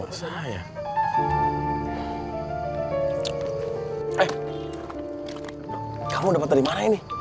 eh kamu dapat dari mana ini